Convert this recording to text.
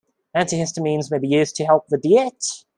Antihistamines may be used to help with the itch.